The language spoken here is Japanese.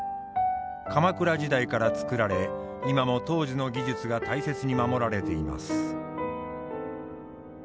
鎌倉時代から作られ今も当時の技術が大切に守られています。